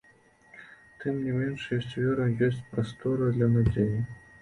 Тым не менш, ёсць вера, ёсць прастора для надзеі.